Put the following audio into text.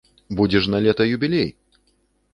Будзе ж налета юбілей!